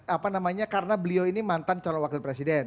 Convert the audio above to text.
apa namanya karena beliau ini mantan calon wakil presiden